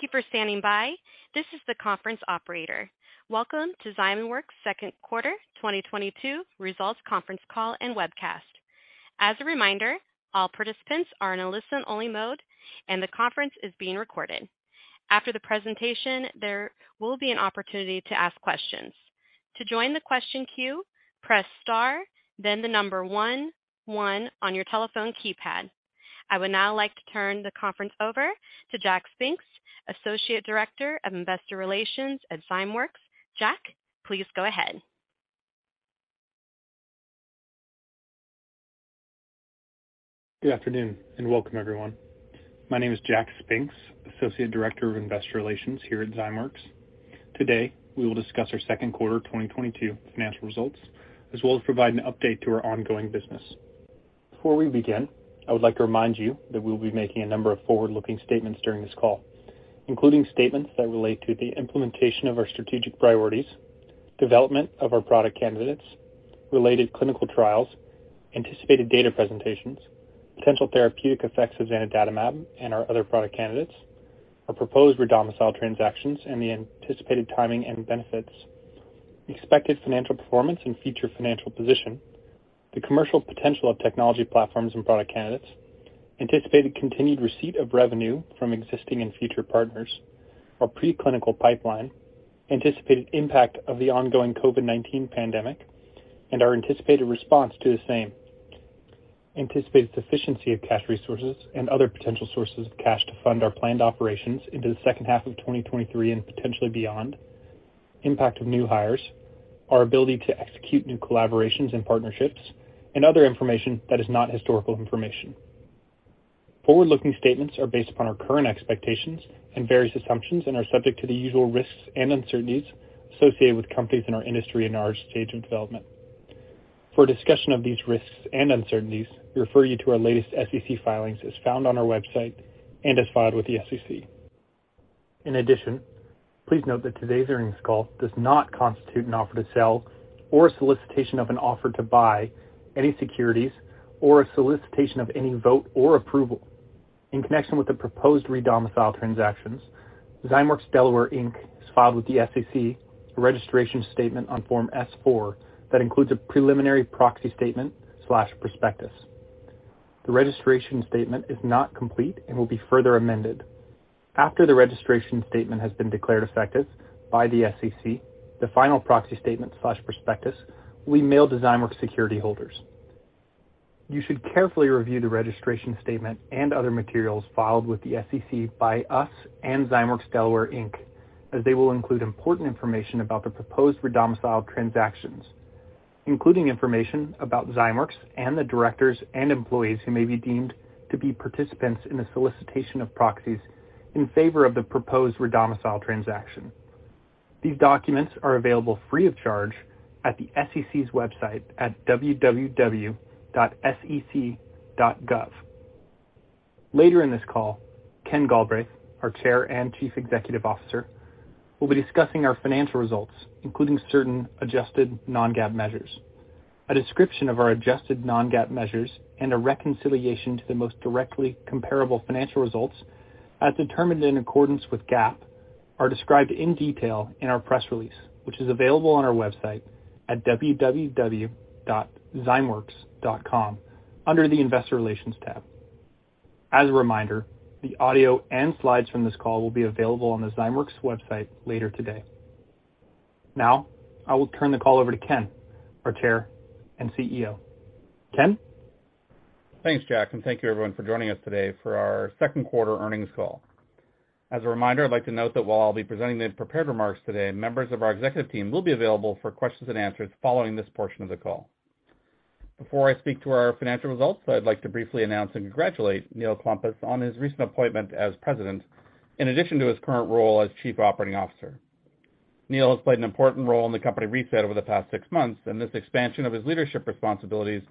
Thank you for standing by. This is the conference operator. Welcome to Zymeworks' second quarter 2022 results conference call and webcast. As a reminder, all participants are in a listen-only mode, and the conference is being recorded. After the presentation, there will be an opportunity to ask questions. To join the question queue, press star then the number one one on your telephone keypad. I would now like to turn the conference over to Jack Spinks, Associate Director of Investor Relations at Zymeworks. Jack, please go ahead. Good afternoon and welcome, everyone. My name is Jack Spinks, Associate Director of Investor Relations here at Zymeworks. Today, we will discuss our second quarter 2022 financial results, as well as provide an update to our ongoing business. Before we begin, I would like to remind you that we'll be making a number of forward-looking statements during this call, including statements that relate to the implementation of our strategic priorities, development of our product candidates, related clinical trials, anticipated data presentations, potential therapeutic effects of zanidatamab and our other product candidates, our proposed redomicile transactions, and the anticipated timing and benefits, expected financial performance and future financial position, the commercial potential of technology platforms and product candidates, anticipated continued receipt of revenue from existing and future partners, our pre-clinical pipeline, anticipated impact of the ongoing COVID-19 pandemic and our anticipated response to the same, anticipated sufficiency of cash resources and other potential sources of cash to fund our planned operations into the second half of 2023 and potentially beyond, impact of new hires, our ability to execute new collaborations and partnerships, and other information that is not historical information. Forward-looking statements are based upon our current expectations and various assumptions and are subject to the usual risks and uncertainties associated with companies in our industry and our stage of development. For a discussion of these risks and uncertainties, we refer you to our latest SEC filings as found on our website and as filed with the SEC. In addition, please note that today's earnings call does not constitute an offer to sell or a solicitation of an offer to buy any securities or a solicitation of any vote or approval. In connection with the proposed redomicile transactions, Zymeworks Delaware Inc. has filed with the SEC a registration statement on Form S-4 that includes a preliminary proxy statement/prospectus. The registration statement is not complete and will be further amended. After the registration statement has been declared effective by the SEC, the final proxy statement/prospectus will be mailed to Zymeworks security holders. You should carefully review the registration statement and other materials filed with the SEC by us and Zymeworks Delaware Inc., as they will include important information about the proposed redomicile transactions, including information about Zymeworks and the directors and employees who may be deemed to be participants in the solicitation of proxies in favor of the proposed redomicile transaction. These documents are available free of charge at the SEC's website at www.sec.gov. Later in this call, Ken Galbraith, our Chair and Chief Executive Officer, will be discussing our financial results, including certain adjusted non-GAAP measures. A description of our adjusted non-GAAP measures and a reconciliation to the most directly comparable financial results as determined in accordance with GAAP are described in detail in our press release, which is available on our website at www.zymeworks.com under the Investor Relations tab. As a reminder, the audio and slides from this call will be available on the Zymeworks website later today. Now, I will turn the call over to Ken, our Chair and CEO. Ken? Thanks, Jack, and thank you everyone for joining us today for our second quarter earnings call. As a reminder, I'd like to note that while I'll be presenting the prepared remarks today, members of our executive team will be available for questions and answers following this portion of the call. Before I speak to our financial results, I'd like to briefly announce and congratulate Neil Klompas on his recent appointment as president in addition to his current role as chief operating officer. Neil has played an important role in the company reset over the past six months, and this expansion of his leadership responsibilities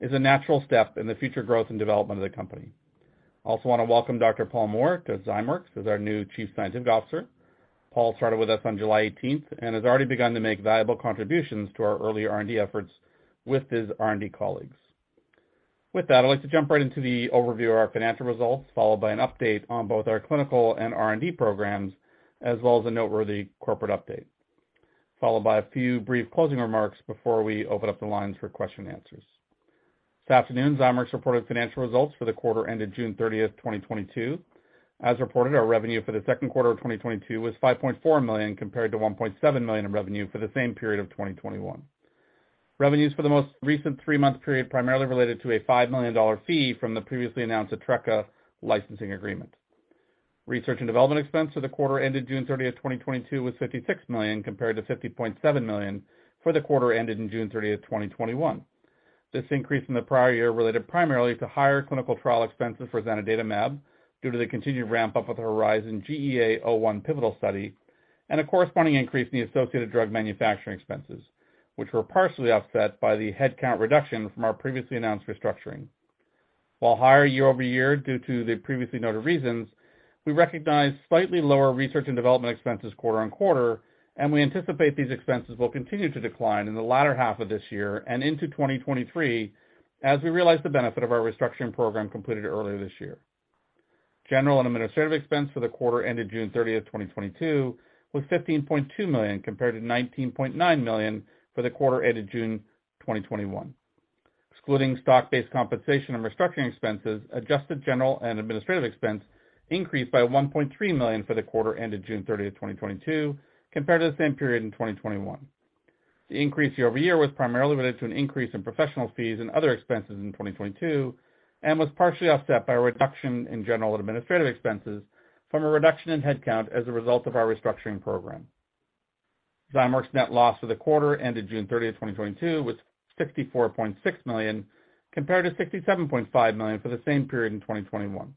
is a natural step in the future growth and development of the company. I also want to welcome Dr. Paul Moore to Zymeworks as our new chief scientific officer. Paul started with us on July 18 and has already begun to make valuable contributions to our early R&D efforts with his R&D colleagues. With that, I'd like to jump right into the overview of our financial results, followed by an update on both our clinical and R&D programs, as well as a noteworthy corporate update, followed by a few brief closing remarks before we open up the lines for question and answers. This afternoon, Zymeworks reported financial results for the quarter ended June 30, 2022. As reported, our revenue for the second quarter of 2022 was $5.4 million, compared to $1.7 million in revenue for the same period of 2021. Revenues for the most recent three-month period primarily related to a $5 million fee from the previously announced Altreca licensing agreement. Research and development expense for the quarter ended June 30th, 2022 was $56 million, compared to $50.7 million for the quarter ended June 30th, 2021. This increase in the prior year related primarily to higher clinical trial expenses for zanidatamab due to the continued ramp-up of the HORIZON-GEA-01 pivotal study and a corresponding increase in the associated drug manufacturing expenses, which were partially offset by the headcount reduction from our previously announced restructuring. While higher year-over-year due to the previously noted reasons, we recognized slightly lower research and development expenses quarter-over-quarter, and we anticipate these expenses will continue to decline in the latter half of this year and into 2023 as we realize the benefit of our restructuring program completed earlier this year. General and administrative expense for the quarter ended June 30th, 2022 was $15.2 million, compared to $19.9 million for the quarter ended June 30th, 2021. Excluding stock-based compensation and restructuring expenses, adjusted general and administrative expense increased by $1.3 million for the quarter ended June 30th, 2022 compared to the same period in 2021. The increase year-over-year was primarily related to an increase in professional fees and other expenses in 2022, and was partially offset by a reduction in general and administrative expenses from a reduction in headcount as a result of our restructuring program. Zymeworks' net loss for the quarter ended June 30th, 2022 was $64.6 million, compared to $67.5 million for the same period in 2021.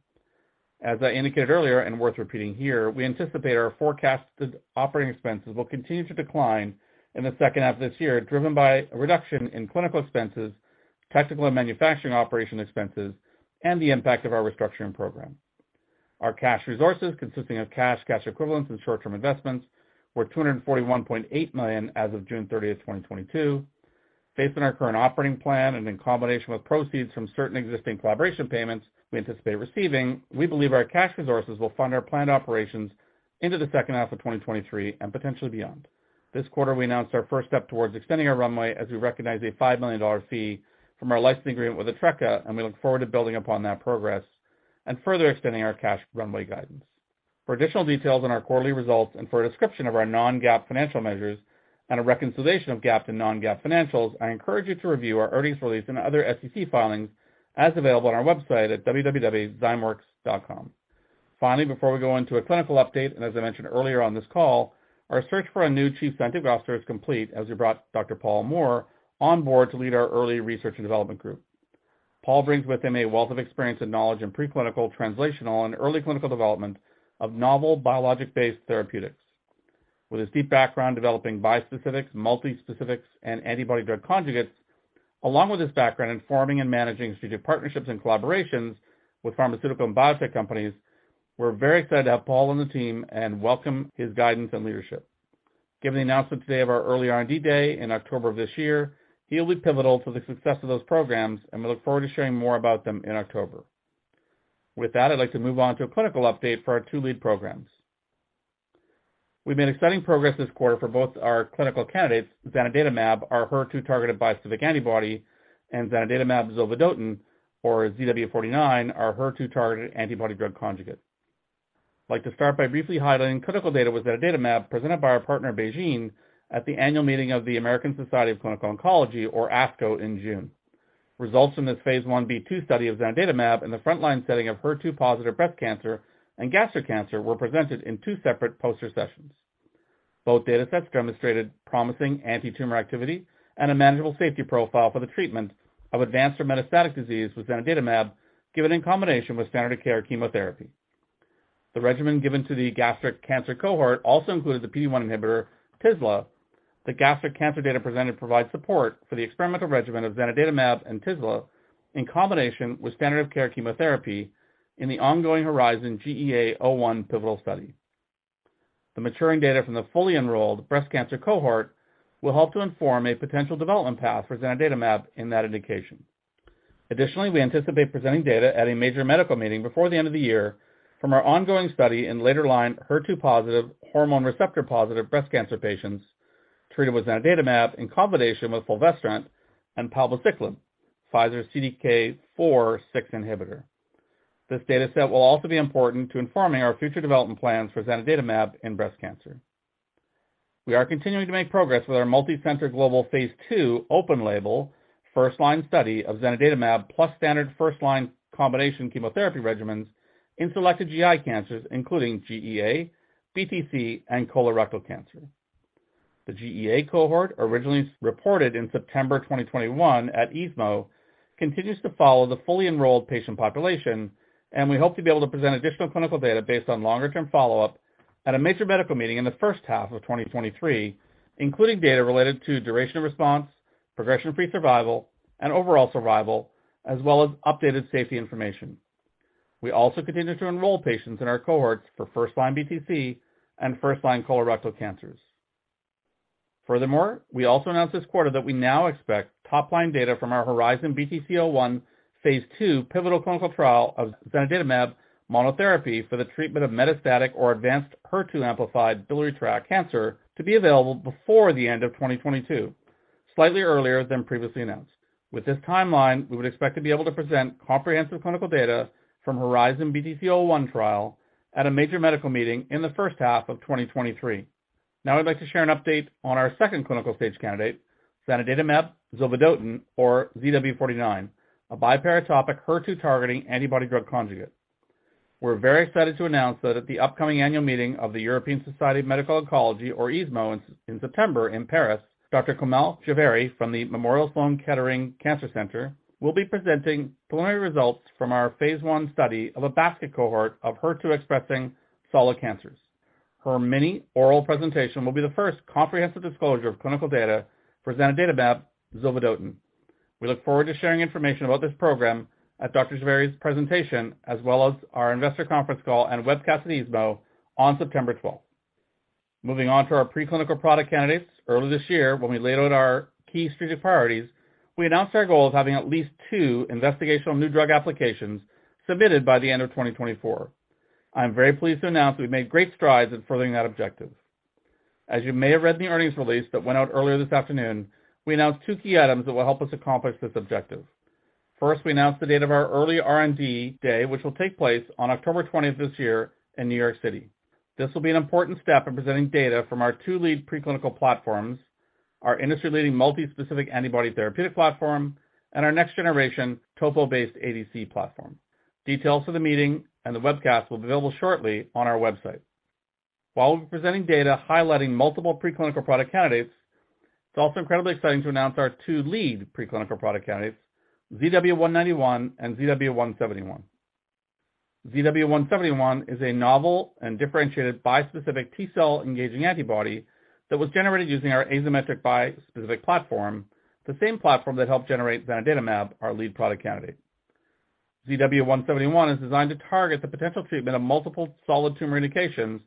As I indicated earlier, and worth repeating here, we anticipate our forecasted operating expenses will continue to decline in the second half of this year, driven by a reduction in clinical expenses, technical and manufacturing operation expenses, and the impact of our restructuring program. Our cash resources, consisting of cash equivalents, and short-term investments, were $241.8 million as of June 30th, 2022. Based on our current operating plan and in combination with proceeds from certain existing collaboration payments we anticipate receiving, we believe our cash resources will fund our planned operations into the second half of 2023 and potentially beyond. This quarter, we announced our first step towards extending our runway as we recognized a $5 million fee from our licensing agreement with Altreca, and we look forward to building upon that progress and further extending our cash runway guidance. For additional details on our quarterly results and for a description of our non-GAAP financial measures and a reconciliation of GAAP to non-GAAP financials, I encourage you to review our earnings release and other SEC filings as available on our website at www.zymeworks.com. Finally, before we go into a clinical update, and as I mentioned earlier on this call, our search for a new Chief Scientific Officer is complete as we brought Dr. Paul Moore on board to lead our early research and development group. Paul brings with him a wealth of experience and knowledge in preclinical, translational, and early clinical development of novel biologic-based therapeutics. With his deep background developing bispecifics, multispecifics, and antibody-drug conjugates, along with his background in forming and managing strategic partnerships and collaborations with pharmaceutical and biotech companies, we're very excited to have Paul on the team and welcome his guidance and leadership. Given the announcement today of our early R&D day in October of this year, he'll be pivotal to the success of those programs, and we look forward to sharing more about them in October. With that, I'd like to move on to a clinical update for our two lead programs. We've made exciting progress this quarter for both our clinical candidates, zanidatamab, our HER2-targeted bispecific antibody, and zanidatamab zovodotin, or ZW49, our HER2-targeted antibody drug conjugate. I'd like to start by briefly highlighting clinical data with zanidatamab presented by our partner BeiGene at the annual meeting of the American Society of Clinical Oncology, or ASCO, in June. Results from this phase Ib/II study of zanidatamab in the frontline setting of HER2-positive breast cancer and gastric cancer were presented in two separate poster sessions. Both data sets demonstrated promising antitumor activity and a manageable safety profile for the treatment of advanced or metastatic disease with zanidatamab given in combination with standard of care chemotherapy. The regimen given to the gastric cancer cohort also included the PD-1 inhibitor tislelizumab. The gastric cancer data presented provides support for the experimental regimen of zanidatamab and tislelizumab in combination with standard of care chemotherapy in the ongoing HORIZON-GEA-01 pivotal study. The maturing data from the fully enrolled breast cancer cohort will help to inform a potential development path for zanidatamab in that indication. Additionally, we anticipate presenting data at a major medical meeting before the end of the year from our ongoing study in later-line HER2-positive, hormone receptor-positive breast cancer patients treated with zanidatamab in combination with fulvestrant and palbociclib, Pfizer's CDK4/6 inhibitor. This data set will also be important to informing our future development plans for zanidatamab in breast cancer. We are continuing to make progress with our multicenter global phase II open label first line study of zanidatamab plus standard first line combination chemotherapy regimens in selected GI cancers, including GEA, BTC, and colorectal cancer. The GEA cohort, originally reported in September 2021 at ESMO, continues to follow the fully enrolled patient population, and we hope to be able to present additional clinical data based on longer-term follow-up at a major medical meeting in the first half of 2023, including data related to duration of response, progression-free survival, and overall survival, as well as updated safety information. We also continue to enroll patients in our cohorts for first-line BTC and first-line colorectal cancers. Furthermore, we also announced this quarter that we now expect top-line data from our HERIZON-BTC-01 phase II pivotal clinical trial of zanidatamab monotherapy for the treatment of metastatic or advanced HER2-amplified biliary tract cancer to be available before the end of 2022, slightly earlier than previously announced. With this timeline, we would expect to be able to present comprehensive clinical data from HERIZON-BTC-01 trial at a major medical meeting in the first half of 2023. Now I'd like to share an update on our second clinical stage candidate, zanidatamab zovodotin, or ZW49, a biparatopic HER2-targeting antibody-drug conjugate. We're very excited to announce that at the upcoming annual meeting of the European Society for Medical Oncology, or ESMO, in September in Paris, Dr. Komal Jhaveri from the Memorial Sloan Kettering Cancer Center will be presenting preliminary results from our phase I study of a basket cohort of HER2-expressing solid cancers. Her mini oral presentation will be the first comprehensive disclosure of clinical data for zanidatamab zovodotin. We look forward to sharing information about this program at Dr.Jhaveri's presentation, as well as our investor conference call and webcast at ESMO on September 12th. Moving on to our preclinical product candidates. Earlier this year, when we laid out our key strategic priorities, we announced our goal of having at least two investigational new drug applications submitted by the end of 2024. I am very pleased to announce we've made great strides in furthering that objective. As you may have read in the earnings release that went out earlier this afternoon, we announced two key items that will help us accomplish this objective. First, we announced the date of our early R&D day, which will take place on October 20, this year in New York City. This will be an important step in presenting data from our two lead preclinical platforms, our industry-leading multi-specific antibody therapeutic platform, and our next-generation topo-based ADC platform. Details for the meeting and the webcast will be available shortly on our website. While we'll be presenting data highlighting multiple preclinical product candidates, it's also incredibly exciting to announce our two lead preclinical product candidates, ZW191 and ZW171. ZW171 is a novel and differentiated bispecific T-cell engaging antibody that was generated using our asymmetric bispecific platform, the same platform that helped generate zanidatamab, our lead product candidate. ZW171 is designed to target the potential treatment of multiple solid tumor indications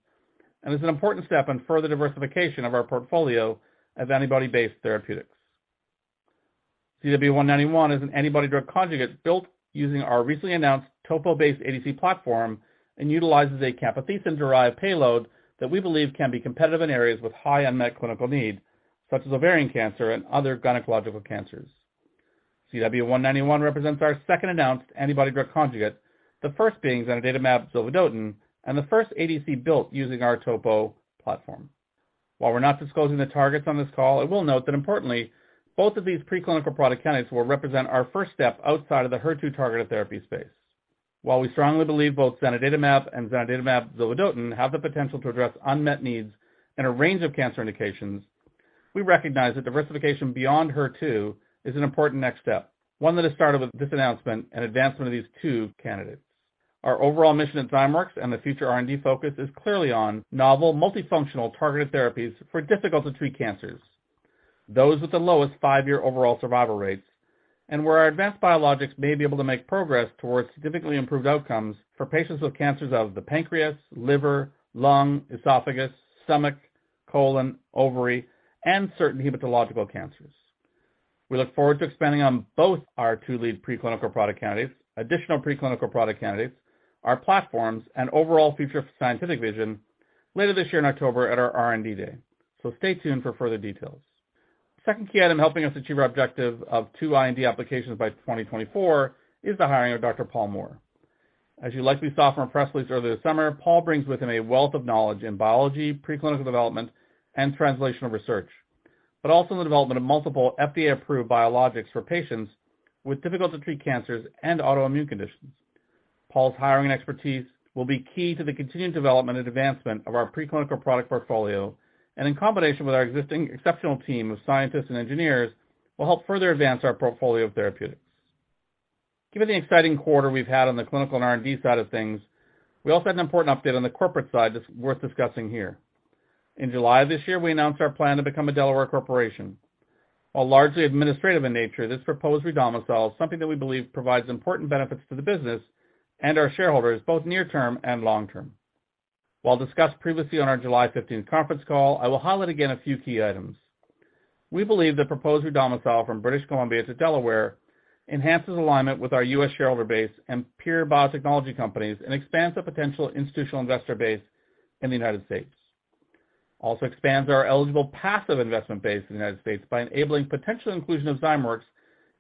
and is an important step in further diversification of our portfolio of antibody-based therapeutics. ZW191 is an antibody-drug conjugate built using our recently announced topo-based ADC platform and utilizes a camptothecin-derived payload that we believe can be competitive in areas with high unmet clinical need, such as ovarian cancer and other gynecological cancers. ZW-191 represents our second announced antibody-drug conjugate, the first being zanidatamab zovodotin, and the first ADC built using our topo platform. While we're not disclosing the targets on this call, I will note that importantly, both of these preclinical product candidates will represent our first step outside of the HER2-targeted therapy space. While we strongly believe both zanidatamab and zanidatamab zovodotin have the potential to address unmet needs in a range of cancer indications, we recognize that diversification beyond HER2 is an important next step, one that has started with this announcement and advancement of these two candidates. Our overall mission at Zymeworks and the future R&D focus is clearly on novel multifunctional targeted therapies for difficult to treat cancers, those with the lowest five-year overall survival rates, and where our advanced biologics may be able to make progress towards significantly improved outcomes for patients with cancers of the pancreas, liver, lung, esophagus, stomach, colon, ovary, and certain hematological cancers. We look forward to expanding on both our two lead preclinical product candidates, additional preclinical product candidates, our platforms, and overall future scientific vision later this year in October at our R&D day. Stay tuned for further details. Second key item helping us achieve our objective of two IND applications by 2024 is the hiring of Dr. Paul Moore. As you likely saw from our press release earlier this summer, Paul brings with him a wealth of knowledge in biology, preclinical development, and translational research, but also in the development of multiple FDA-approved biologics for patients with difficult-to-treat cancers and autoimmune conditions. Paul's hiring and expertise will be key to the continued development and advancement of our preclinical product portfolio, and in combination with our existing exceptional team of scientists and engineers, will help further advance our portfolio of therapeutics. Given the exciting quarter we've had on the clinical and R&D side of things, we also had an important update on the corporate side that's worth discussing here. In July of this year, we announced our plan to become a Delaware corporation. While largely administrative in nature, this proposed redomicile is something that we believe provides important benefits to the business and our shareholders, both near term and long term. While discussed previously on our July 15th conference call, I will highlight again a few key items. We believe the proposed redomicile from British Columbia to Delaware enhances alignment with our U.S. shareholder base and peer biotechnology companies and expands the potential institutional investor base in the United States. Also expands our eligible passive investment base in the United States by enabling potential inclusion of Zymeworks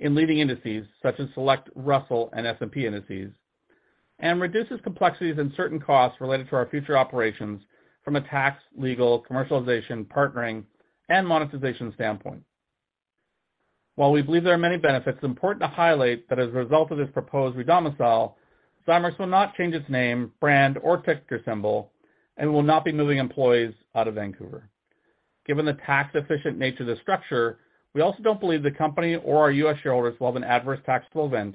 in leading indices such as select Russell and S&P indices, and reduces complexities and certain costs related to our future operations from a tax, legal, commercialization, partnering, and monetization standpoint. While we believe there are many benefits, it's important to highlight that as a result of this proposed redomicile, Zymeworks will not change its name, brand, or ticker symbol, and will not be moving employees out of Vancouver. Given the tax-efficient nature of the structure, we also don't believe the company or our U.S. shareholders will have an adverse taxable event,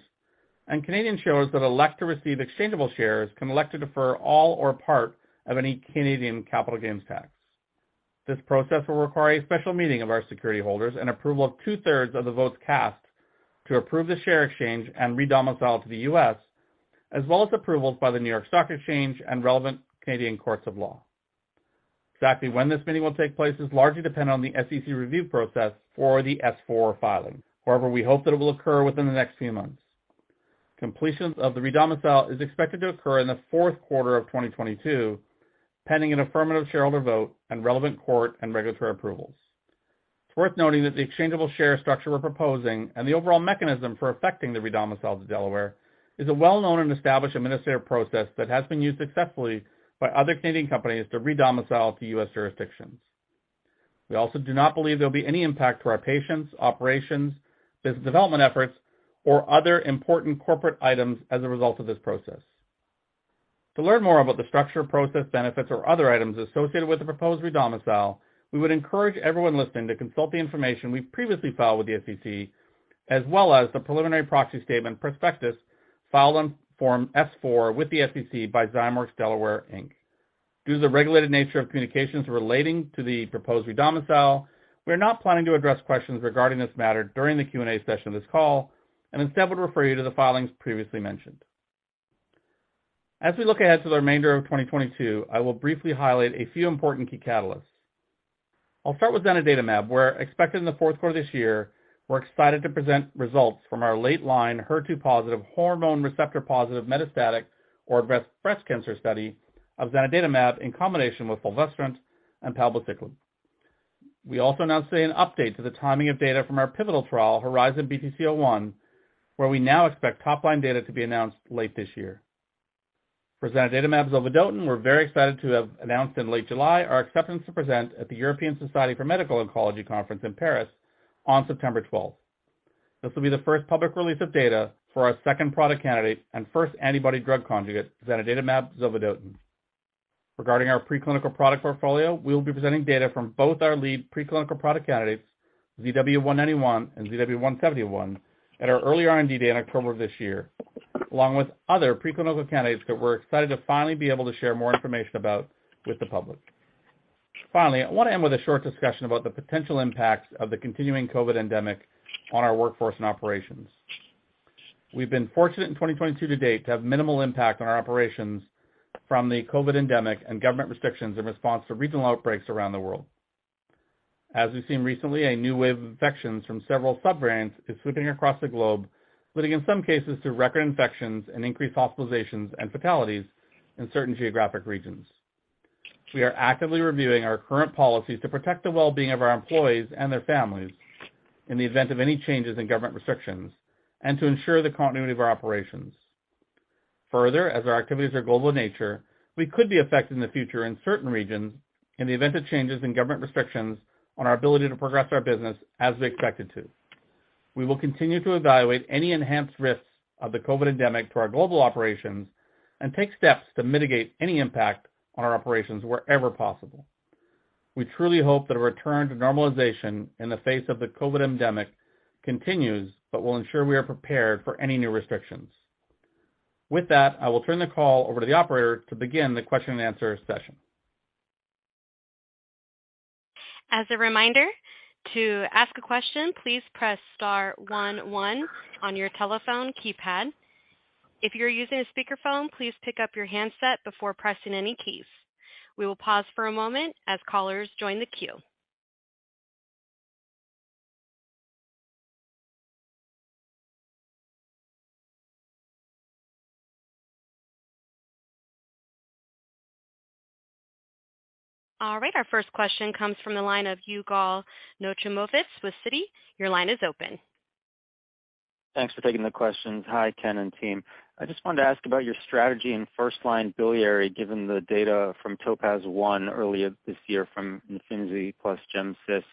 and Canadian shareholders that elect to receive exchangeable shares can elect to defer all or part of any Canadian capital gains tax. This process will require a special meeting of our security holders and approval of two-thirds of the votes cast to approve the share exchange and redomicile to the U.S., as well as approvals by the New York Stock Exchange and relevant Canadian courts of law. Exactly when this meeting will take place is largely dependent on the SEC review process for the S-4 filing. However, we hope that it will occur within the next few months. Completion of the redomicile is expected to occur in the fourth quarter of 2022, pending an affirmative shareholder vote and relevant court and regulatory approvals. It's worth noting that the exchangeable share structure we're proposing and the overall mechanism for affecting the redomicile to Delaware is a well-known and established administrative process that has been used successfully by other Canadian companies to redomicile to U.S. jurisdictions. We also do not believe there'll be any impact to our patients, operations, business development efforts, or other important corporate items as a result of this process. To learn more about the structure, process, benefits, or other items associated with the proposed redomicile, we would encourage everyone listening to consult the information we've previously filed with the SEC, as well as the preliminary proxy statement prospectus filed on Form S-4 with the SEC by Zymeworks Delaware Inc. Due to the regulated nature of communications relating to the proposed redomicile, we are not planning to address questions regarding this matter during the Q&A session of this call, and instead would refer you to the filings previously mentioned. We look ahead to the remainder of 2022. I will briefly highlight a few important key catalysts. I'll start with zanidatamab, where expected in the fourth quarter this year, we're excited to present results from our late-line HER2-positive hormone receptor-positive metastatic breast cancer study of zanidatamab in combination with fulvestrant and palbociclib. We also announced today an update to the timing of data from our pivotal trial, HERIZON-BTC-01, where we now expect top-line data to be announced late this year. For zanidatamab zovodotin, we're very excited to have announced in late July our acceptance to present at the European Society for Medical Oncology Conference in Paris on September 12th. This will be the first public release of data for our second product candidate and first antibody drug conjugate, zanidatamab zovodotin. Regarding our preclinical product portfolio, we will be presenting data from both our lead preclinical product candidates, ZW191 and ZW171, at our early R&D data program this year, along with other preclinical candidates that we're excited to finally be able to share more information about with the public. Finally, I want to end with a short discussion about the potential impacts of the continuing COVID endemic on our workforce and operations. We've been fortunate in 2022 to date to have minimal impact on our operations from the COVID endemic and government restrictions in response to regional outbreaks around the world. As we've seen recently, a new wave of infections from several subvariants is sweeping across the globe, leading in some cases to record infections and increased hospitalizations and fatalities in certain geographic regions. We are actively reviewing our current policies to protect the well-being of our employees and their families in the event of any changes in government restrictions and to ensure the continuity of our operations. Further, as our activities are global in nature, we could be affected in the future in certain regions in the event of changes in government restrictions on our ability to progress our business as we expected to. We will continue to evaluate any enhanced risks of the COVID endemic to our global operations and take steps to mitigate any impact on our operations wherever possible. We truly hope that a return to normalization in the face of the COVID endemic continues, but will ensure we are prepared for any new restrictions. With that, I will turn the call over to the operator to begin the question and answer session. As a reminder, to ask a question, please press star one one on your telephone keypad. If you're using a speakerphone, please pick up your handset before pressing any keys. We will pause for a moment as callers join the queue. All right, our first question comes from the line of Yigal Nochomovitz. Your line is open. Thanks for taking the questions. Hi, Ken and team. I just wanted to ask about your strategy in first-line biliary, given the data from TOPAZ-1 earlier this year from durvalumab plus gemcitabine.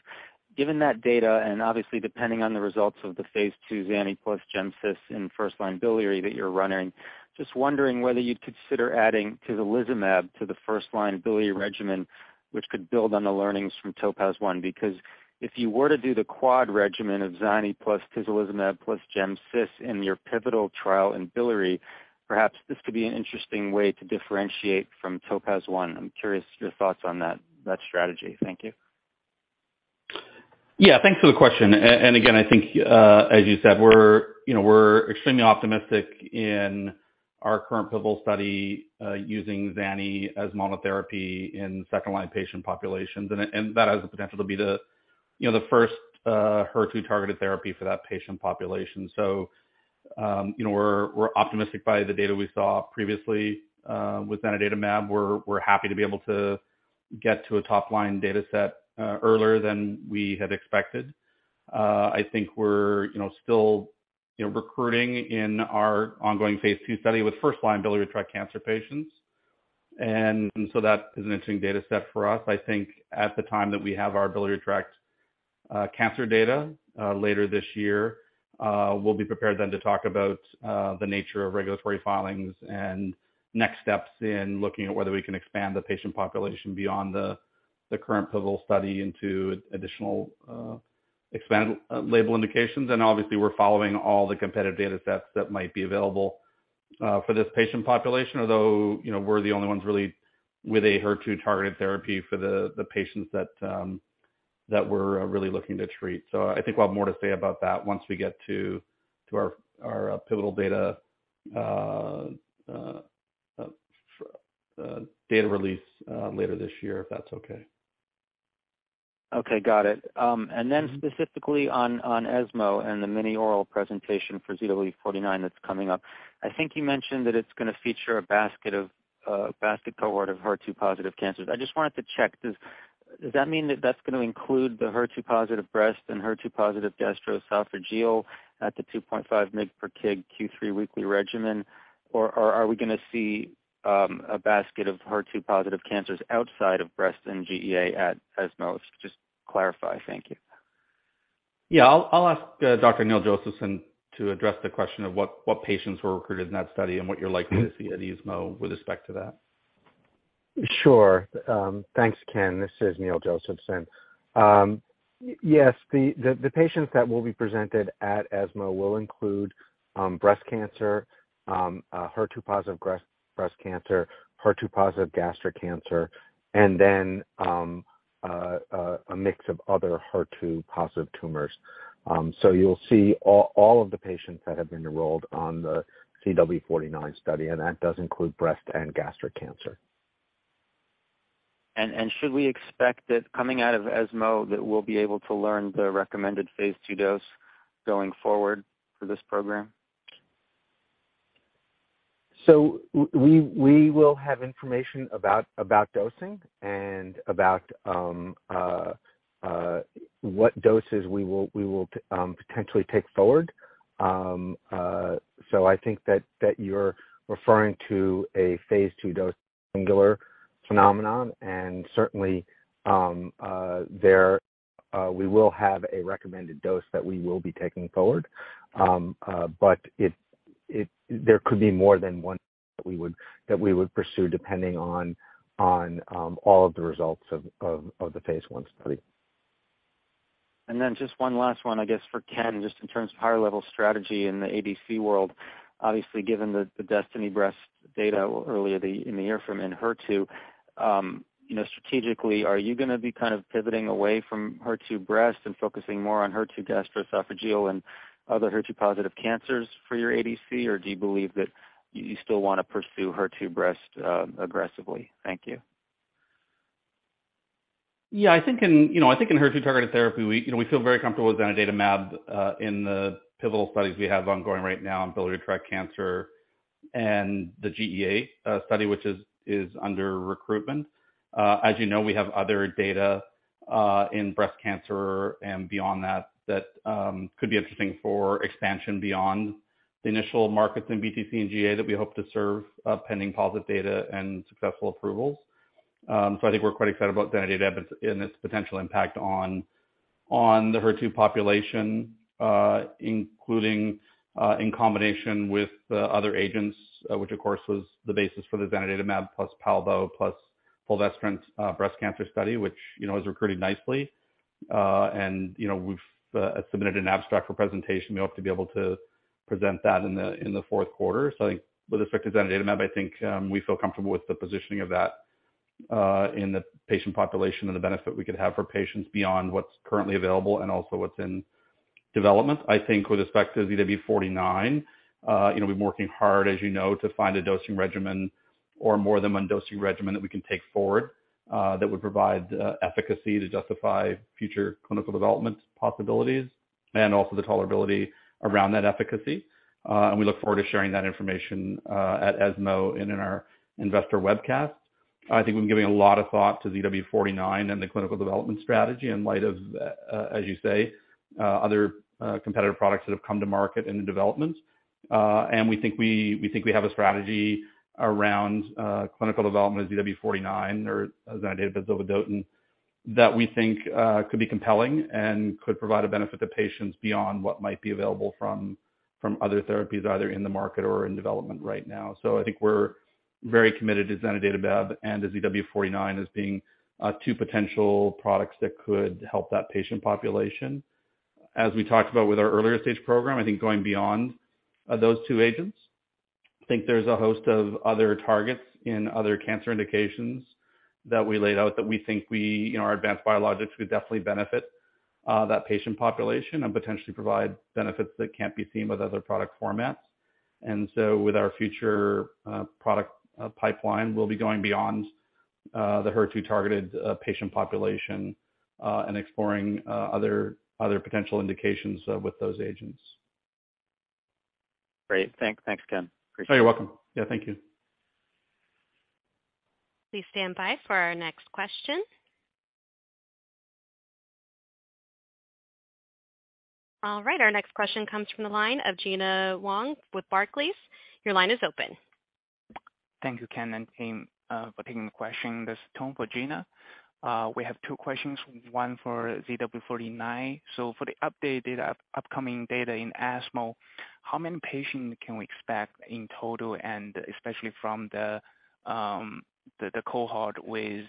Given that data and obviously depending on the results of the phase II zanidatamab plus gemcitabine in first-line biliary that you're running, just wondering whether you'd consider adding tislelizumab to the first-line biliary regimen, which could build on the learnings from TOPAZ-1. Because if you were to do the quad regimen of zanidatamab plus tislelizumab plus gemcitabine in your pivotal trial in biliary, perhaps this could be an interesting way to differentiate from TOPAZ-1. I'm curious your thoughts on that strategy. Thank you. Yeah, thanks for the question. Again, I think, as you said, we're, you know, we're extremely optimistic in our current pivotal study, using zani as monotherapy in second line patient populations, and that has the potential to be the, you know, the first, HER2 targeted therapy for that patient population. You know, we're optimistic about the data we saw previously with zanidatamab. We're happy to be able to get to a top line data set earlier than we had expected. I think we're, you know, still, you know, recruiting in our ongoing phase II study with first line biliary tract cancer patients. That is an interesting data set for us. I think at the time that we have our biliary tract cancer data later this year, we'll be prepared then to talk about the nature of regulatory filings and next steps in looking at whether we can expand the patient population beyond the current pivotal study into additional expanded label indications. Obviously we're following all the competitive data sets that might be available for this patient population. Although, you know, we're the only ones really with a HER2-targeted therapy for the patients that we're really looking to treat. I think we'll have more to say about that once we get to our pivotal data release later this year, if that's okay. Okay, got it. Specifically on ESMO and the mini oral presentation for ZW49 that's coming up, I think you mentioned that it's gonna feature a basket cohort of HER2-positive cancers. I just wanted to check, does that mean that that's gonna include the HER2-positive breast and HER2-positive gastroesophageal at the 2.5 mg per kg Q3 weekly regimen? Or are we gonna see a basket of HER2-positive cancers outside of breast and GEA at ESMO? Just clarify. Thank you. Yeah. I'll ask Dr. Neil Josephson to address the question of what patients were recruited in that study and what you're likely to see at ESMO with respect to that. Sure. Thanks, Ken. This is Neil Josephson. Yes, the patients that will be presented at ESMO will include breast cancer, HER2-positive breast cancer, HER2-positive gastric cancer, and then. A mix of other HER2-positive tumors. You'll see all of the patients that have been enrolled on the ZW49 study, and that does include breast and gastric cancer. Should we expect that coming out of ESMO, that we'll be able to learn the recommended phase II dose going forward for this program? We will have information about dosing and what doses we will potentially take forward. I think that you're referring to a phase II dose singular phenomenon, and certainly we will have a recommended dose that we will be taking forward. It could be more than one that we would pursue depending on all of the results of the phase I study. Then just one last one, I guess for Ken, just in terms of higher level strategy in the ADC world. Obviously, given the DESTINY-Breast breast data earlier in the year from Enhertu, you know, strategically, are you gonna be kind of pivoting away from HER2 breast and focusing more on HER2 gastroesophageal and other HER2 positive cancers for your ADC? Or do you believe that you still wanna pursue HER2 breast aggressively? Thank you. I think in HER2 targeted therapy, you know, we feel very comfortable with zanidatamab in the pivotal studies we have ongoing right now in biliary tract cancer and the GEA study, which is under recruitment. As you know, we have other data in breast cancer and beyond that could be interesting for expansion beyond the initial markets in BTC and GEA that we hope to serve pending positive data and successful approvals. I think we're quite excited about zanidatamab in its potential impact on the HER2 population including in combination with the other agents, which, of course, was the basis for the zanidatamab plus palbociclib plus fulvestrant breast cancer study, which you know is recruiting nicely. We've submitted an abstract for presentation. We hope to be able to present that in the fourth quarter. I think with respect to zanidatamab, I think we feel comfortable with the positioning of that in the patient population and the benefit we could have for patients beyond what's currently available and also what's in development. I think with respect to ZW49, you know, we've been working hard, as you know, to find a dosing regimen or more than one dosing regimen that we can take forward that would provide efficacy to justify future clinical development possibilities and also the tolerability around that efficacy. We look forward to sharing that information at ESMO and in our investor webcast. I think we've been giving a lot of thought to ZW49 and the clinical development strategy in light of, as you say, other competitive products that have come to market into development. We think we have a strategy around clinical development of ZW49 or zanidatamab zovodotin that we think could be compelling and could provide a benefit to patients beyond what might be available from other therapies either in the market or in development right now. I think we're very committed to zanidatamab and to ZW49 as being two potential products that could help that patient population. As we talked about with our earlier stage program, I think going beyond those two agents, I think there's a host of other targets in other cancer indications that we laid out that we think we, you know, our advanced biologics could definitely benefit that patient population and potentially provide benefits that can't be seen with other product formats. With our future product pipeline, we'll be going beyond the HER2 targeted patient population and exploring other potential indications with those agents. Great. Thanks, Ken. Appreciate it. Oh, you're welcome. Yeah, thank you. Please stand by for our next question. All right, our next question comes from the line of Gena Wang with Barclays. Your line is open. Thank you, Ken and team, for taking the question. This is Tom for Gena. We have two questions, one for ZW49. For the updated upcoming data in ESMO, how many patients can we expect in total, and especially from the cohort with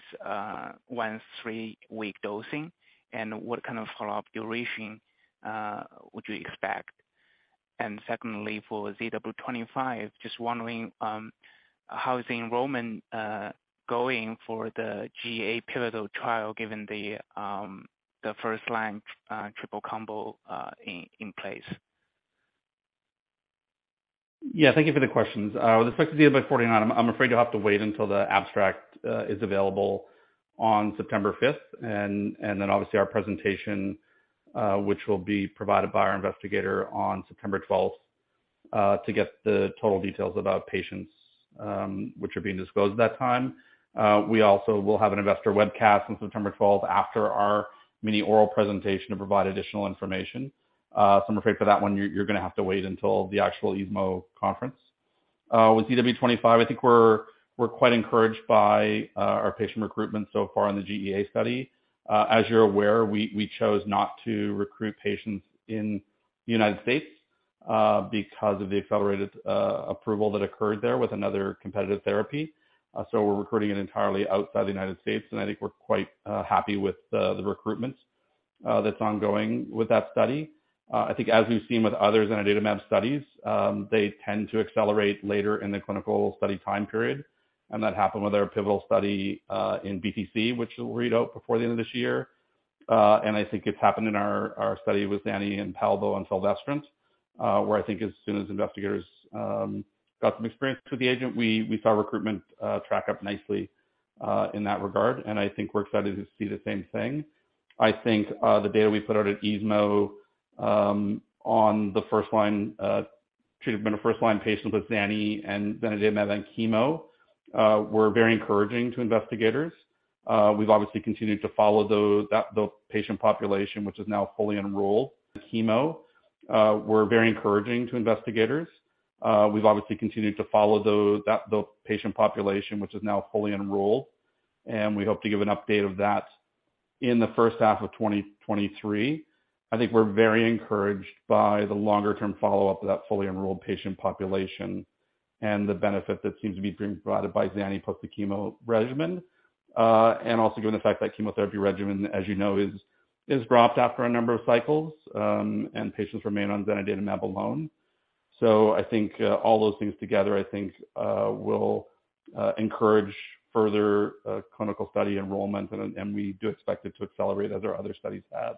one three-week dosing, and what kind of follow-up duration would you expect? Secondly, for ZW25, just wondering, how is the enrollment going for the GEA pivotal trial given the first line triple combo in place? Yeah, thank you for the questions. With respect to ZW49, I'm afraid you'll have to wait until the abstract is available on September 5, and then obviously our presentation, which will be provided by our investigator on September 12th, to get the total details about patients, which are being disclosed at that time. We also will have an investor webcast on September 12, after our mini oral presentation to provide additional information. I'm afraid for that one you're gonna have to wait until the actual ESMO conference. With ZW25, I think we're quite encouraged by our patient recruitment so far in the GEA study. As you're aware, we chose not to recruit patients in the United States, because of the accelerated approval that occurred there with another competitive therapy. We're recruiting it entirely outside the United States, and I think we're quite happy with the recruitment. That's ongoing with that study. I think as we've seen with other zanidatamab studies, they tend to accelerate later in the clinical study time period, and that happened with our pivotal study in BTC, which will read out before the end of this year. I think it's happened in our study with zanidatamab and palbociclib and fulvestrant, where I think as soon as investigators got some experience with the agent, we saw recruitment pick up nicely in that regard. I think we're excited to see the same thing. I think the data we put out at ESMO on the first-line treatment of first-line patients with zanidatamab and tislelizumab and chemo were very encouraging to investigators. We've obviously continued to follow those patient population, which is now fully enrolled, and we hope to give an update of that in the first half of 2023. I think we're very encouraged by the longer-term follow-up of that fully enrolled patient population and the benefit that seems to be being provided by zanidatamab post the chemo regimen. Given the fact that chemotherapy regimen, as you know, is dropped after a number of cycles, and patients remain on tislelizumab alone. I think all those things together, I think, will encourage further clinical study enrollment. We do expect it to accelerate as our other studies have,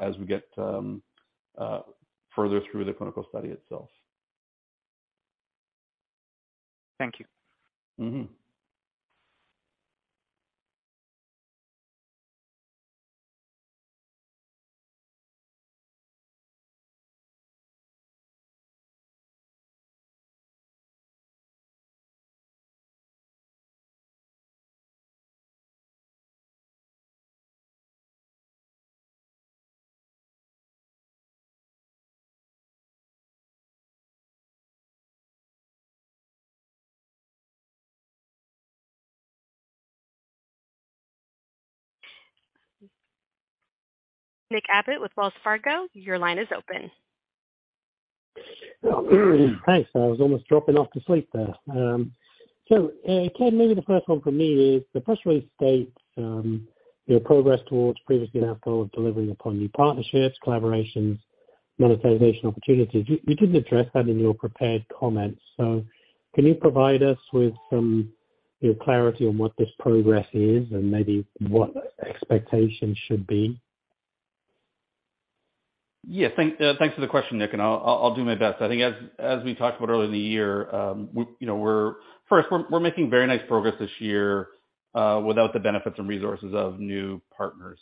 as we get further through the clinical study itself. Thank you. Mm-hmm. Nick Abbott with Wells Fargo, your line is open. Thanks. I was almost dropping off to sleep there. Ken, maybe the first one for me is the press release states your progress towards previously announced goal of delivering upon new partnerships, collaborations, monetization opportunities. You didn't address that in your prepared comments. Can you provide us with some, you know, clarity on what this progress is and maybe what expectations should be? Yeah. Thanks for the question, Nick, and I'll do my best. I think as we talked about earlier in the year, we're making very nice progress this year without the benefits and resources of new partners.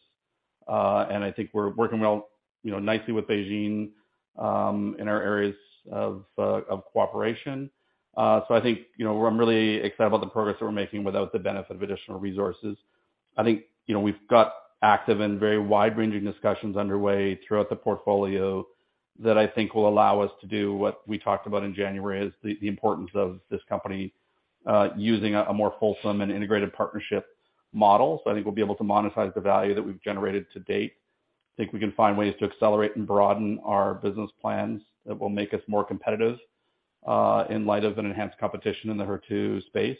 I think we're working well, you know, nicely with BeiGene in our areas of cooperation. I think, you know, I'm really excited about the progress that we're making without the benefit of additional resources. I think, you know, we've got active and very wide-ranging discussions underway throughout the portfolio that I think will allow us to do what we talked about in January, is the importance of this company using a more fulsome and integrated partnership model. I think we'll be able to monetize the value that we've generated to date. I think we can find ways to accelerate and broaden our business plans that will make us more competitive, in light of an enhanced competition in the HER2 space.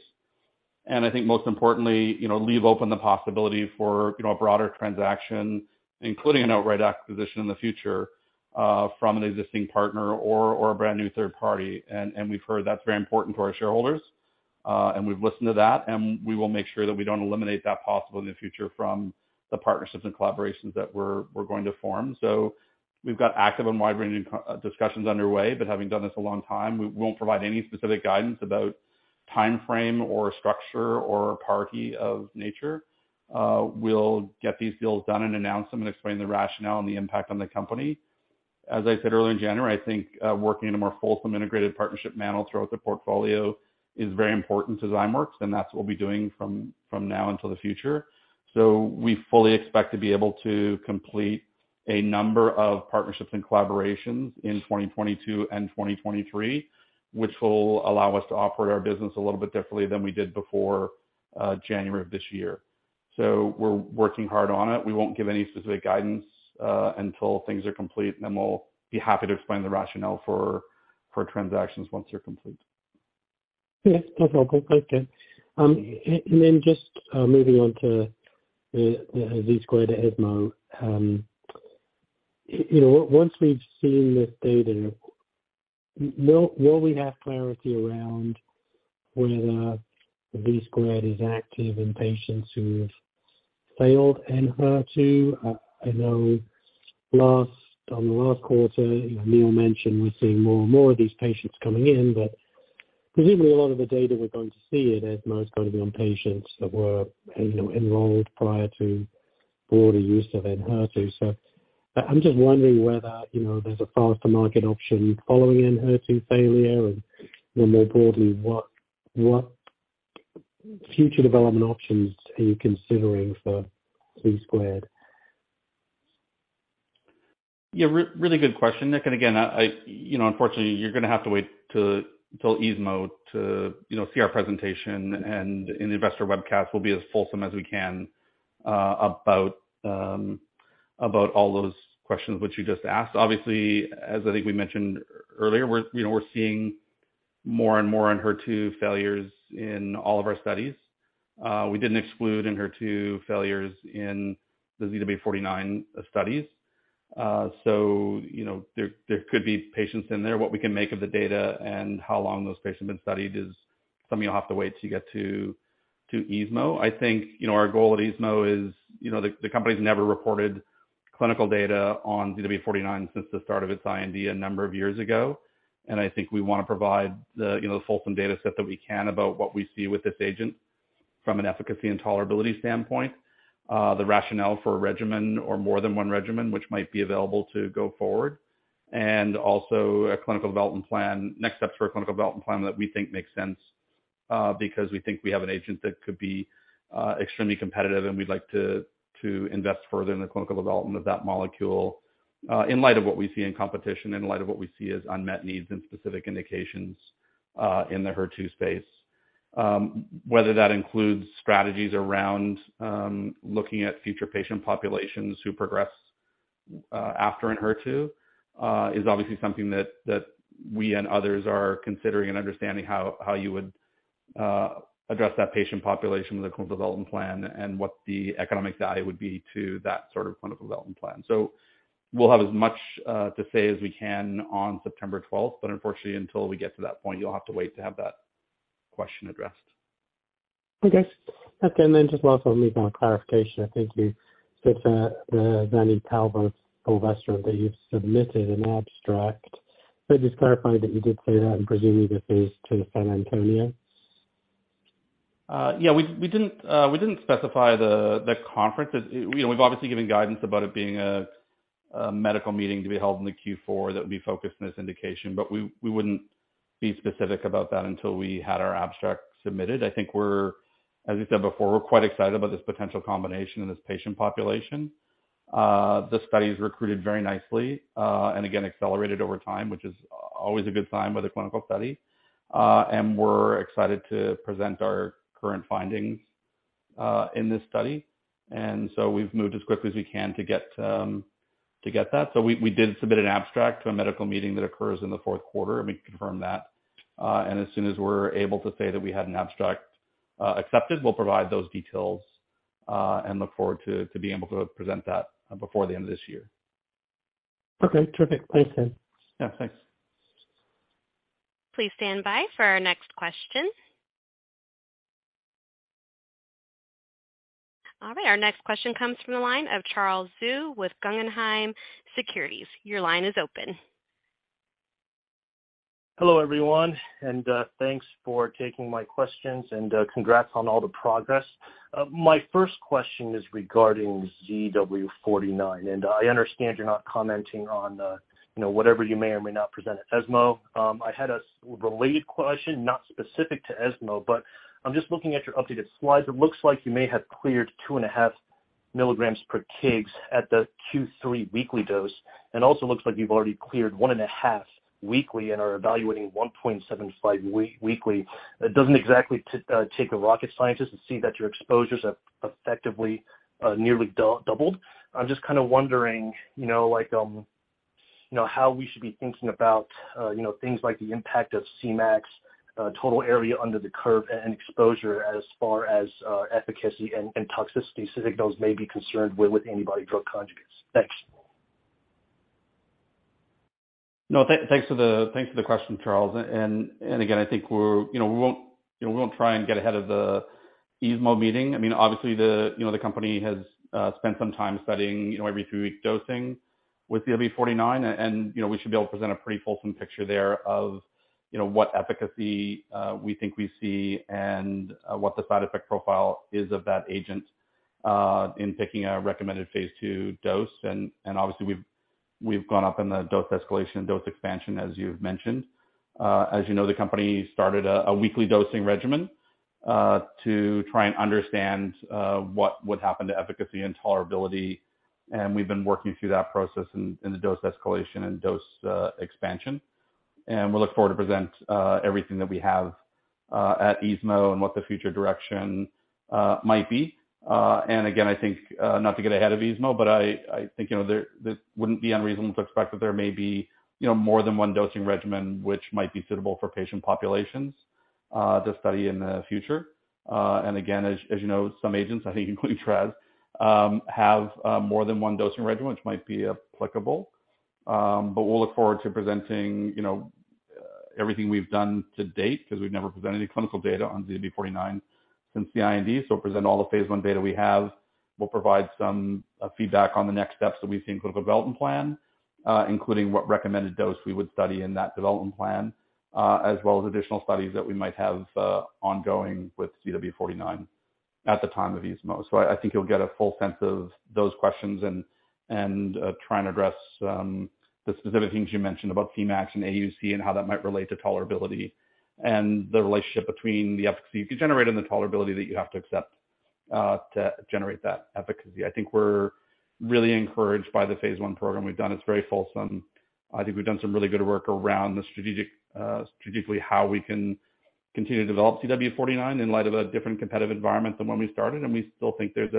I think most importantly, you know, leave open the possibility for, you know, a broader transaction, including an outright acquisition in the future, from an existing partner or a brand-new third party. We've heard that's very important to our shareholders, and we've listened to that, and we will make sure that we don't eliminate that possibility in the future from the partnerships and collaborations that we're going to form. We've got active and wide-ranging discussions underway, but having done this a long time, we won't provide any specific guidance about timeframe or structure or party or nature. We'll get these deals done and announce them and explain the rationale and the impact on the company. As I said earlier in January, I think, working in a more fulsome integrated partnership model throughout the portfolio is very important to Zymeworks, and that's what we'll be doing from now until the future. We fully expect to be able to complete a number of partnerships and collaborations in 2022 and 2023, which will allow us to operate our business a little bit differently than we did before January of this year. We're working hard on it. We won't give any specific guidance until things are complete, and then we'll be happy to explain the rationale for transactions once they're complete. Yes. No problem. Great, Ken. Just moving on to the ZW49 ESMO. You know, once we've seen this data, will we have clarity around whether the ZW49 is active in patients who've failed Enhertu? I know last quarter, you know, Neil mentioned we're seeing more and more of these patients coming in, but presumably a lot of the data we're going to see at ESMO is going to be on patients that were, you know, enrolled prior to broader use of Enhertu. I'm just wondering whether, you know, there's a faster market option following HER2 failure and, you know, more broadly, what future development options are you considering for ZW49? Yeah. Really good question, Nick. Again, you know, unfortunately, you're gonna have to wait till ESMO to, you know, see our presentation and in the investor webcast, we'll be as fulsome as we can about all those questions which you just asked. Obviously, as I think we mentioned earlier, we're, you know, we're seeing more and more on HER2 failures in all of our studies. We didn't exclude HER2 failures in the ZW49 studies. So, you know, there could be patients in there. What we can make of the data and how long those patients have been studied is something you'll have to wait till you get to ESMO. I think, you know, our goal at ESMO is, you know, the company's never reported clinical data on ZW49 since the start of its IND a number of years ago. I think we wanna provide the, you know, the fulsome data set that we can about what we see with this agent from an efficacy and tolerability standpoint. The rationale for a regimen or more than one regimen, which might be available to go forward, and also a clinical development plan, next steps for a clinical development plan that we think makes sense, because we think we have an agent that could be extremely competitive, and we'd like to invest further in the clinical development of that molecule, in light of what we see in competition, in light of what we see as unmet needs and specific indications, in the HER2 space. Whether that includes strategies around looking at future patient populations who progress after an HER2 is obviously something that we and others are considering and understanding how you would address that patient population with a clinical development plan and what the economic value would be to that sort of clinical development plan. We'll have as much to say as we can on September 12th, but unfortunately, until we get to that point, you'll have to wait to have that question addressed. Okay, just also maybe one clarification. I think you said the zanidatamab zovodotin that you've submitted an abstract. Just clarifying that you did say that. I'm presuming this is to San Antonio. Yeah, we didn't specify the conference. You know, we've obviously given guidance about it being a medical meeting to be held in the Q4 that would be focused on this indication, but we wouldn't be specific about that until we had our abstract submitted. I think we're, as I said before, quite excited about this potential combination in this patient population. The study is recruited very nicely and again, accelerated over time, which is always a good sign with a clinical study. We're excited to present our current findings in this study. We've moved as quickly as we can to get that. We did submit an abstract to a medical meeting that occurs in the fourth quarter, let me confirm that. As soon as we're able to say that we had an abstract accepted, we'll provide those details and look forward to be able to present that before the end of this year. Okay. Terrific. Thanks, then. Yeah, thanks. Please stand by for our next question. All right, our next question comes from the line of Charles Zhu with Guggenheim Securities. Your line is open. Hello, everyone, and thanks for taking my questions and congrats on all the progress. My first question is regarding ZW49, and I understand you're not commenting on you know, whatever you may or may not present at ESMO. I had a related question, not specific to ESMO, but I'm just looking at your updated slides. It looks like you may have cleared 2.5 mg per kg at the Q3 weekly dose. It also looks like you've already cleared 1.5 weekly and are evaluating 1.75 weekly. It doesn't exactly take a rocket scientist to see that your exposures have effectively nearly doubled. I'm just kinda wondering, you know, like, how we should be thinking about, you know, things like the impact of Cmax, total area under the curve and exposure as far as efficacy and toxicity, specifically those may be concerned with antibody-drug conjugates. Thanks. Thanks for the question, Charles. Again, I think we're, you know, we won't try and get ahead of the ESMO meeting. I mean, obviously the company has spent some time studying every two-week dosing with ZW49 and, you know, we should be able to present a pretty fulsome picture there of what efficacy we think we see and what the side effect profile is of that agent in picking a recommended phase II dose. Obviously we've gone up in the dose escalation, dose expansion, as you've mentioned. As you know, the company started a weekly dosing regimen to try and understand what would happen to efficacy and tolerability. We've been working through that process in the dose escalation and dose expansion. We look forward to present everything that we have at ESMO and what the future direction might be. I think not to get ahead of ESMO, but I think, you know, it wouldn't be unreasonable to expect that there may be, you know, more than one dosing regimen which might be suitable for patient populations to study in the future. I think as you know, some agents, I think including traz, have more than one dosing regimen which might be applicable. We'll look forward to presenting, you know, everything we've done to date 'cause we've never presented any clinical data on ZW49 since the IND. Present all the phase I data we have. We'll provide some feedback on the next steps that we see in clinical development plan, including what recommended dose we would study in that development plan, as well as additional studies that we might have ongoing with ZW49 at the time of ESMO. I think you'll get a full sense of those questions and try and address the specific things you mentioned about Cmax and AUC and how that might relate to tolerability and the relationship between the efficacy you could generate and the tolerability that you have to accept to generate that efficacy. I think we're really encouraged by the phase I program we've done. It's very fulsome. I think we've done some really good work around the strategic, strategically how we can continue to develop ZW49 in light of a different competitive environment than when we started, and we still think there's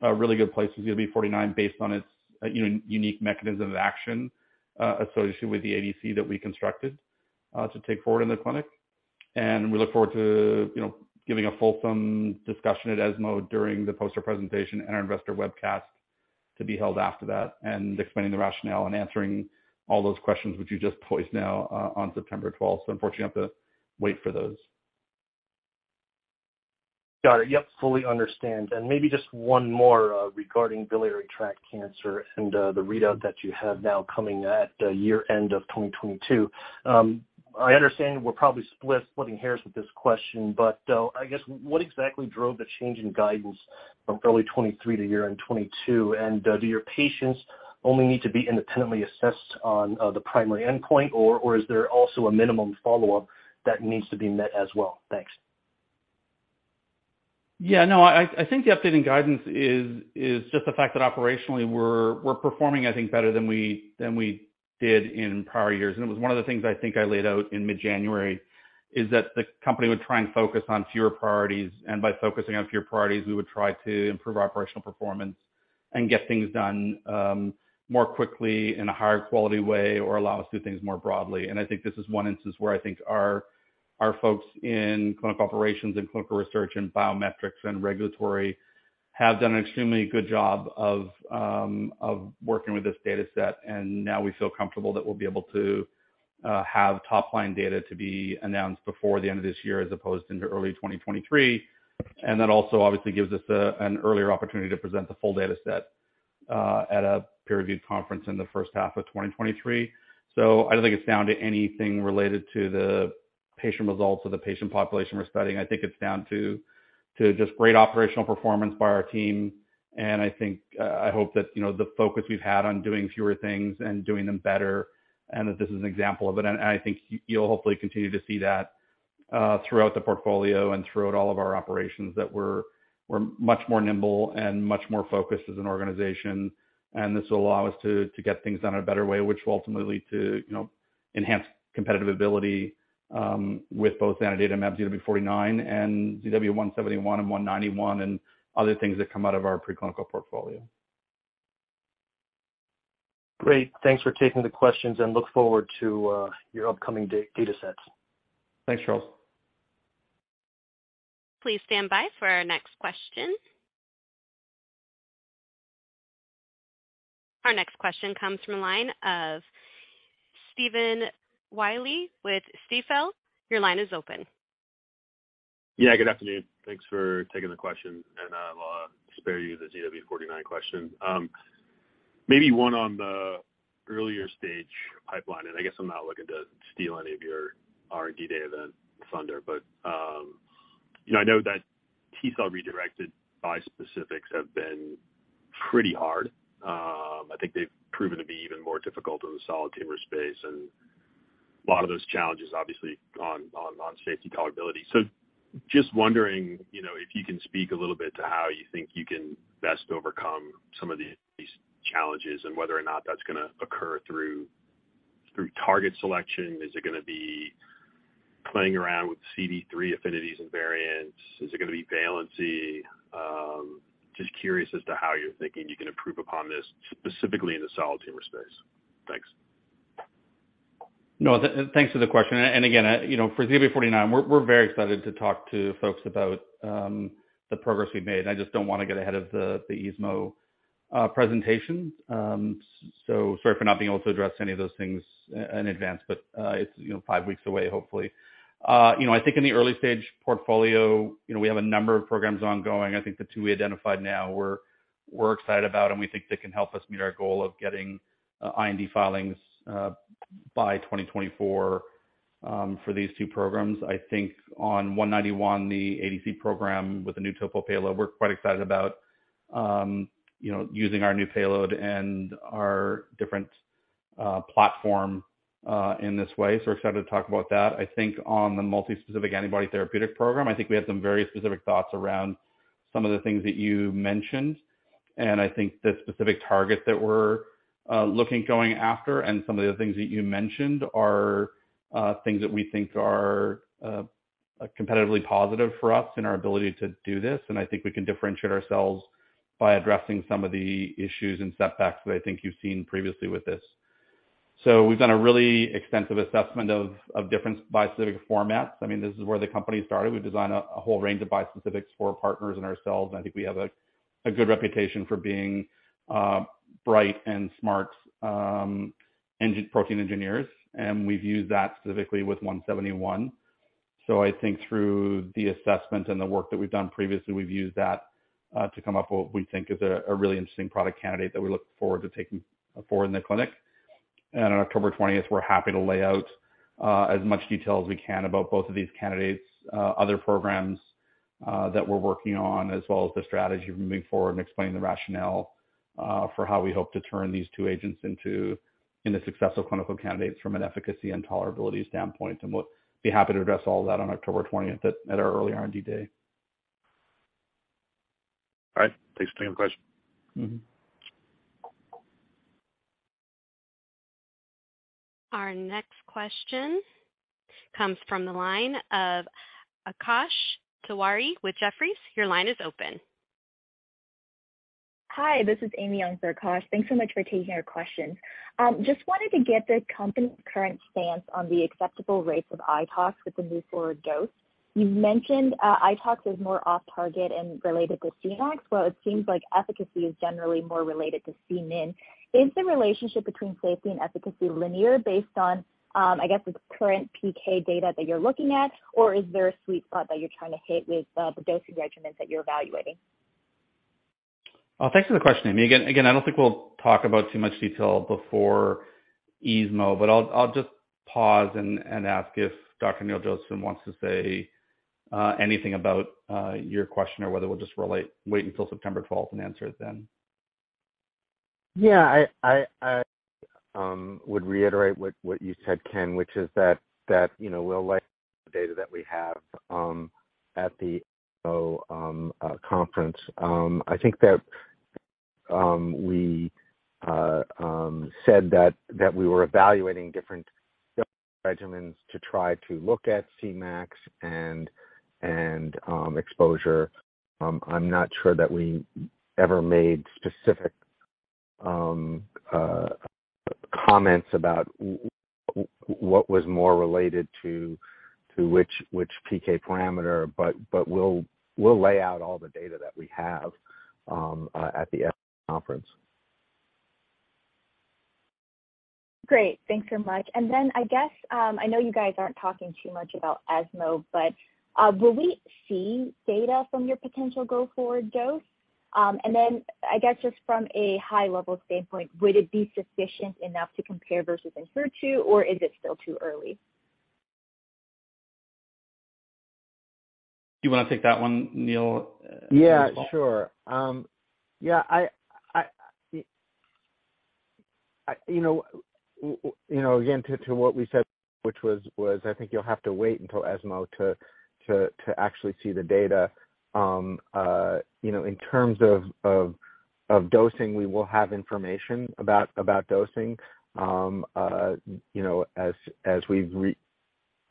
a really good place for ZW49 based on its unique mechanism of action associated with the ADC that we constructed to take forward in the clinic. We look forward to, you know, giving a fulsome discussion at ESMO during the poster presentation and our investor webcast to be held after that, and explaining the rationale and answering all those questions which you just posed now, on September 12. Unfortunately, you have to wait for those. Got it. Yep, fully understand. Maybe just one more regarding biliary tract cancer and the readout that you have now coming at the year-end of 2022. I understand we're probably splitting hairs with this question, but I guess what exactly drove the change in guidance from early 2023 to year-end 2022? Do your patients only need to be independently assessed on the primary endpoint, or is there also a minimum follow-up that needs to be met as well? Thanks. Yeah, no. I think the update in guidance is just the fact that operationally we're performing, I think, better than we did in prior years. It was one of the things I think I laid out in mid-January, is that the company would try and focus on fewer priorities. By focusing on fewer priorities, we would try to improve our operational performance and get things done more quickly in a higher quality way or allow us to do things more broadly. I think this is one instance where I think our folks in clinical operations and clinical research and biometrics and regulatory have done an extremely good job of working with this data set. Now we feel comfortable that we'll be able to have top-line data to be announced before the end of this year as opposed to early 2023. That also obviously gives us an earlier opportunity to present the full data set at a peer-reviewed conference in the first half of 2023. I don't think it's down to anything related to the patient results or the patient population we're studying. I think it's down to just great operational performance by our team. I think I hope that you know the focus we've had on doing fewer things and doing them better and that this is an example of it. I think you'll hopefully continue to see that throughout the portfolio and throughout all of our operations that we're much more nimble and much more focused as an organization. This will allow us to get things done in a better way, which will ultimately lead to, you know, enhanced competitive ability with both zanidatamab ZW49 and ZW171 and ZW191 and other things that come out of our preclinical portfolio. Great. Thanks for taking the questions and look forward to your upcoming data sets. Thanks, Charles. Please stand by for our next question. Our next question comes from the line of Stephen Willey with Stifel. Your line is open. Yeah, good afternoon. Thanks for taking the question, and I'll spare you the ZW49 question. Maybe one on the earlier stage pipeline, and I guess I'm not looking to steal any of your R&D Day event thunder. You know, I know that T-cell redirected bispecifics have been pretty hard. I think they've proven to be even more difficult in the solid tumor space, and a lot of those challenges obviously on safety tolerability. Just wondering, you know, if you can speak a little bit to how you think you can best overcome some of these challenges and whether or not that's gonna occur through target selection. Is it gonna be playing around with CD3 affinities and variants? Is it gonna be valency? Just curious as to how you're thinking you can improve upon this, specifically in the solid tumor space. Thanks. No, thanks for the question. Again, you know, for ZW49, we're very excited to talk to folks about the progress we've made, and I just don't wanna get ahead of the ESMO presentation. So sorry for not being able to address any of those things in advance, but it's, you know, five weeks away, hopefully. You know, I think in the early stage portfolio, you know, we have a number of programs ongoing. I think the two we identified now we're excited about and we think they can help us meet our goal of getting IND filings by 2024 for these two programs. I think on 191, the ADC program with the new topo payload, we're quite excited about, you know, using our new payload and our different platform in this way. We're excited to talk about that. I think on the multi-specific antibody therapeutic program, I think we have some very specific thoughts around some of the things that you mentioned. I think the specific targets that we're looking to go after and some of the things that you mentioned are things that we think are competitively positive for us in our ability to do this. I think we can differentiate ourselves by addressing some of the issues and setbacks that I think you've seen previously with this. We've done a really extensive assessment of different bispecific formats. I mean, this is where the company started. We designed a whole range of bispecifics for partners and ourselves, and I think we have a good reputation for being bright and smart protein engineers, and we've used that specifically with ZW171. I think through the assessment and the work that we've done previously, we've used that to come up with what we think is a really interesting product candidate that we look forward to taking forward in the clinic. On October 20th, we're happy to lay out as much detail as we can about both of these candidates, other programs that we're working on, as well as the strategy moving forward and explain the rationale for how we hope to turn these two agents into successful clinical candidates from an efficacy and tolerability standpoint. We'll be happy to address all that on October 20th, at our early R&D Day. All right. Thanks for taking the question. Mm-hmm. Our next question comes from the line of Akash Tewari with Jefferies. Your line is open. Hi, this is Amy Young for Akash. Thanks so much for taking our question. Just wanted to get the company's current stance on the acceptable rates of iTox with the move forward dose. You mentioned iTox is more off-target and related to Cmax. While it seems like efficacy is generally more related to Cmin. Is the relationship between safety and efficacy linear based on, I guess, the current PK data that you're looking at? Or is there a sweet spot that you're trying to hit with the dosing regimens that you're evaluating? Thanks for the question, Amy. Again, I don't think we'll talk about too much detail before ESMO, but I'll just pause and ask if Dr. Neil Josephson wants to say anything about your question or whether we'll just wait until September twelfth and answer it then. Yeah. I would reiterate what you said Ken, which is that you know, we'll like the data that we have at the ESMO conference. I think that we said that we were evaluating different dosing regimens to try to look at Cmax and exposure. I'm not sure that we ever made specific comments about what was more related to which PK parameter, but we'll lay out all the data that we have at the ESMO conference. Great. Thanks so much. I guess, I know you guys aren't talking too much about ESMO, but, will we see data from your potential go forward dose? I guess just from a high level standpoint, would it be sufficient enough to compare versus Enhertu, or is it still too early? You wanna take that one, Neil? Yeah, sure. You know, again, to what we said, which was I think you'll have to wait until ESMO to actually see the data. You know, in terms of dosing, we will have information about dosing. You know, as we've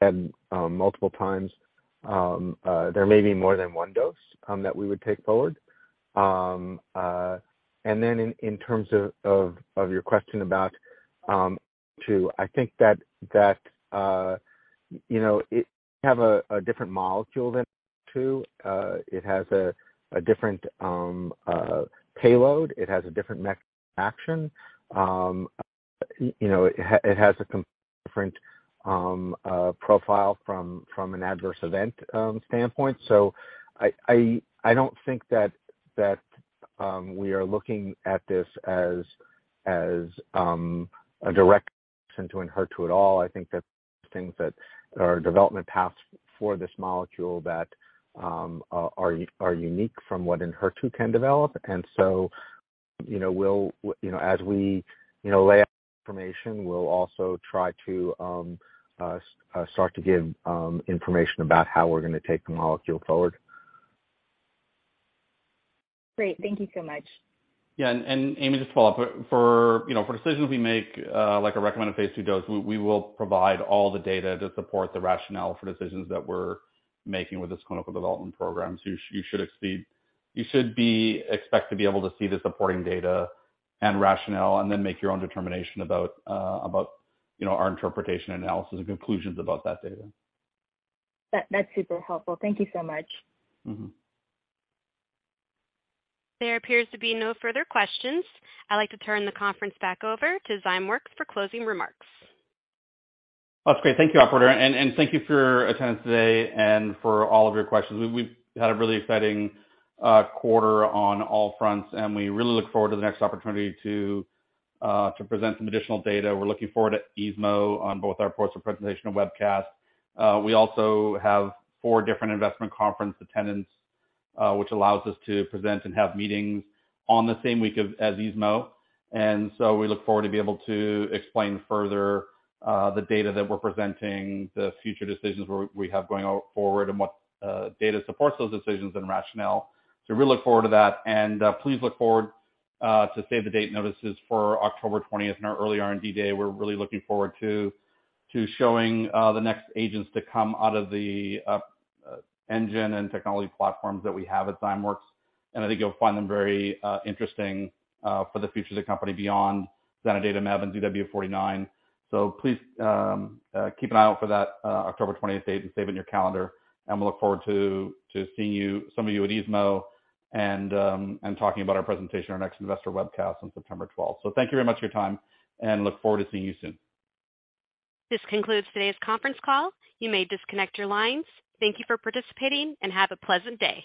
reiterated multiple times, there may be more than one dose that we would take forward. In terms of your question about too, I think that you know, it have a different molecule than Enhertu. It has a different payload. It has a different mechanism of action. You know, it has a different profile from an adverse event standpoint. I don't think that we are looking at this as a direct to Enhertu at all. I think that the development paths for this molecule that are unique from what Enhertu can develop. You know, we'll you know, as we you know, lay out information, we'll also try to start to give information about how we're gonna take the molecule forward. Great. Thank you so much. Yeah. Amy, just to follow up. For you know for decisions we make, like a recommended phase II dose, we will provide all the data to support the rationale for decisions that we're making with this clinical development program. You should expect to be able to see the supporting data and rationale and then make your own determination about, you know, our interpretation, analysis and conclusions about that data. That, that's super helpful. Thank you so much. Mm-hmm. There appears to be no further questions. I'd like to turn the conference back over to Zymeworks for closing remarks. That's great. Thank you, operator. Thank you for your attendance today and for all of your questions. We've had a really exciting quarter on all fronts, and we really look forward to the next opportunity to present some additional data. We're looking forward to ESMO on both our poster presentation and webcast. We also have four different investment conference attendance, which allows us to present and have meetings on the same week of, as ESMO. We look forward to be able to explain further the data that we're presenting, the future decisions we have going forward, and what data supports those decisions and rationale. We look forward to that. Please look forward to save the date notices for October 20th and our early R&D day. We're really looking forward to showing the next agents to come out of the engine and technology platforms that we have at Zymeworks, and I think you'll find them very interesting for the future of the company beyond zanidatamab and ZW49. Please keep an eye out for that October 20th date and save it in your calendar. We'll look forward to seeing you, some of you at ESMO and talking about our presentation, our next investor webcast on September 20th. Thank you very much for your time and look forward to seeing you soon. This concludes today's conference call. You may disconnect your lines. Thank you for participating and have a pleasant day.